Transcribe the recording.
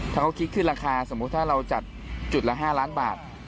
ถ้าเขาคิดขึ้นราคาสมมุติถ้าเราจัดจุดละ๕ล้านบาท